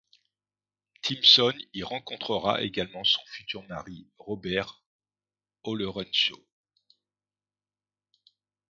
Timpson y rencontrera également son futur mari, Robert Ollerenshaw.